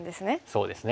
そうですね。